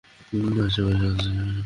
কেউ আশেপাশে আছে?